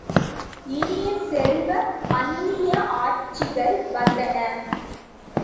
இனிய செல்வ, அந்நிய ஆட்சிகள் வந்தன!